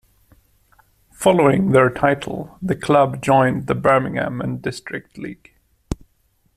Following their title, the club joined the Birmingham and District League.